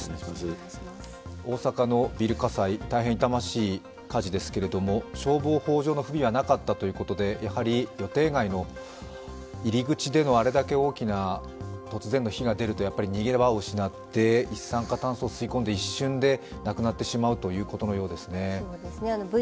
大阪のビル火災、大変痛ましい火事ですけれども消防法上の不備はなかったということで、やはり予定外の入り口でのあれだけ大きな突然、火が出るというのはやっぱり逃げ場を失って一酸化炭素を吸い込んで一瞬で亡くなってしまうということのようですね。